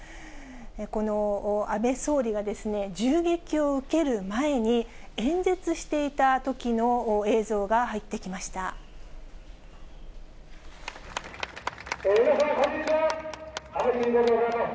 この安倍総理が銃撃を受ける前に、演説していたときの映像が入って皆さんこんにちは。